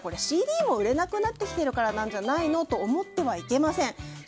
ＣＤも売れなくなってきてるからなんじゃないのと思ってはいけません。